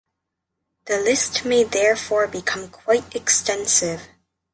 The list may therefore become quite extensive.